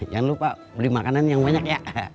jangan lupa beli makanan yang banyak